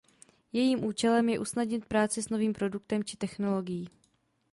Jejím účelem je usnadnit práci s novým produktem či technologií.